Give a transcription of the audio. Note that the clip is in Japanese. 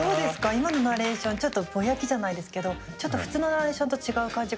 今のナレーションちょっとぼやきじゃないですけどちょっと普通のナレーションと違う感じがしましたけど。